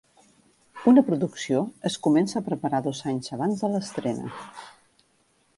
Una producció es comença a preparar dos anys abans de l'estrena.